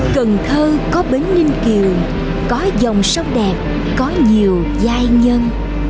cần thơ có bến ninh kiều có dòng sông đẹp có nhiều giai nhân